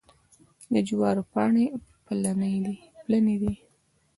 د جوارو پاڼې پلنې دي.